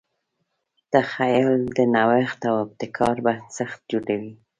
تخیل د نوښت او ابتکار بنسټ جوړوي.